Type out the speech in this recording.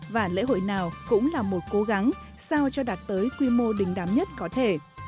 và lễ hội nào cũng là một cố gắng sao cho đạt tới quy mô đình đám nhất có thể